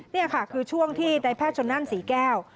นี่ค่ะคือช่วงที่ในแพทย์ชนนั่นศรีแก้ว